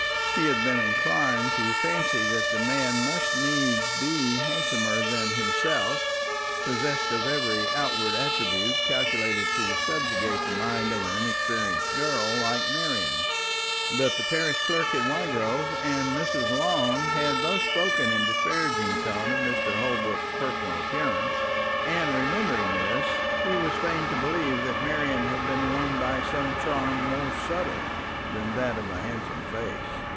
He had been inclined to fancy that the man must needs be much handsomer than himself, possessed of every outward attribute calculated to subjugate the mind of an inexperienced girl like Marian; but the parish clerk at Wygrove and Miss Long had both spoken in a disparaging tone of Mr. Holbrook's personal appearance; and, remembering this, he was fain to believe that Marian had been won by some charm more subtle than that of a handsome face.